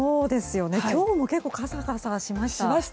今日も結構カサカサしました。